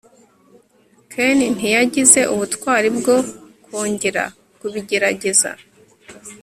ken ntiyagize ubutwari bwo kongera kubigerageza